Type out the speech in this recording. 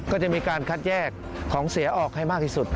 ก็จะมีการคัดแยกของเสียออกให้มากที่สุด